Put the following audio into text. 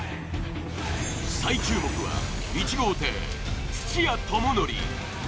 最注目は、１号艇・土屋智則。